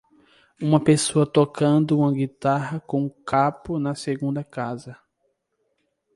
Uma pessoa tocando uma guitarra com um capo na segunda casa.